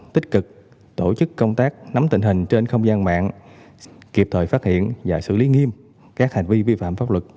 tích cực tổ chức công tác nắm tình hình trên không gian mạng kịp thời phát hiện và xử lý nghiêm các hành vi vi phạm pháp luật